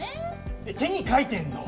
手に書いてんの！？